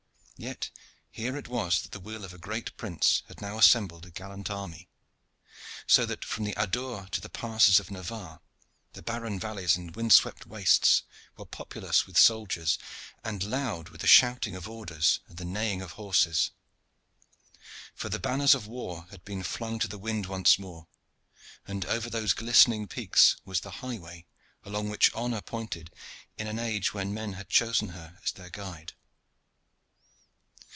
Yet here it was that the will of a great prince had now assembled a gallant army; so that from the Adour to the passes of Navarre the barren valleys and wind swept wastes were populous with soldiers and loud with the shouting of orders and the neighing of horses. For the banners of war had been flung to the wind once more, and over those glistening peaks was the highway along which Honor pointed in an age when men had chosen her as their guide.